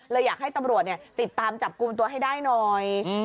แล้วอยากให้ตำรวจเนี่ยติดตามจับกลุ่มตัวไปให้หน่อย